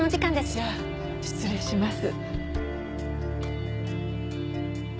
じゃあ失礼します。